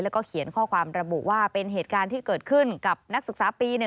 แล้วก็เขียนข้อความระบุว่าเป็นเหตุการณ์ที่เกิดขึ้นกับนักศึกษาปี๑